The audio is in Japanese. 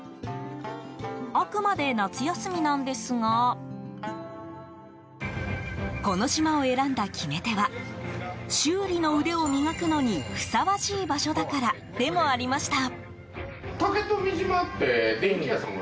あくまで夏休みなんですがこの島を選んだ決め手は修理の腕を磨くのに、ふさわしい場所だからでもありました。